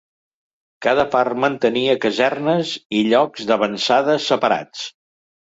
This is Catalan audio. Cada part mantenia casernes i llocs d'avançada separats.